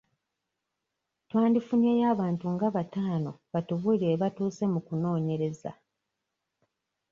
Twandifunyeeyo abantu nga bataano batubuulire we baatuuse mu kunoonyereza.